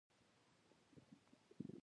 هغه د خان قره باغي د هنري ډلې دولس کلن هلک و.